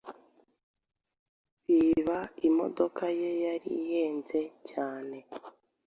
biba imodoka ye yari ihenze cyane